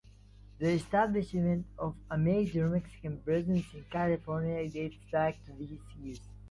'The establishment of a major Mexican presence in California dates back to these years.